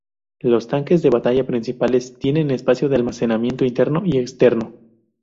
Los tanques de batalla principales tienen espacio de almacenamiento interno y externo.